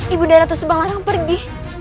ibu darah itu subanglarang pergi